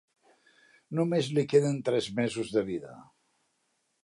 Només li queden tres mesos de vida.